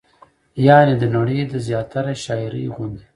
يعنې د نړۍ د زياتره شاعرۍ غوندې